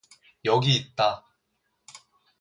여기 있다.